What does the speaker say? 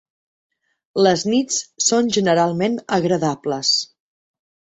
Les nits són generalment agradables.